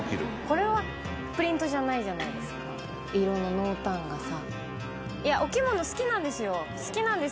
これはプリントじゃないじゃないですか色の濃淡がさ。